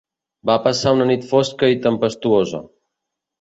Va passar una nit fosca i tempestuosa.